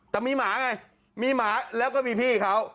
แต่มีหมาไงมีหมาแล้วก็มีพี่เขา